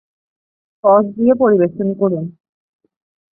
Sauce দিয়ে পরিবেশন করুন।